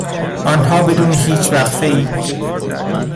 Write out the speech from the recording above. آنها بدون هیچ وقفهای